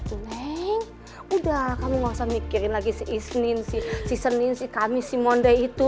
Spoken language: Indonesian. udah kamu gak usah mikirin lagi si isnin si senin si kami si mondi itu